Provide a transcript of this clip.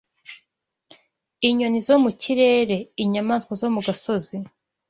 Inyoni zo mu kirere, inyamaswa zo mu gasozi